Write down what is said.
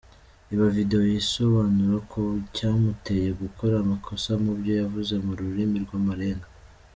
Reba video yisobanura ku cyamuteye gukora amakosa mubyo yavuze mu rurirmi rw’amarenga.